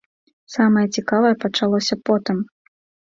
Самае цікавае пачалося потым.